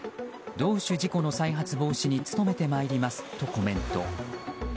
同種事故の再発防止に努めてまいりますとコメント。